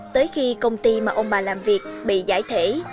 tới khi công ty mà ông bà làm việc bị giải thể